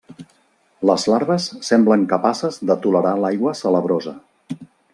Les larves semblen capaces de tolerar l'aigua salabrosa.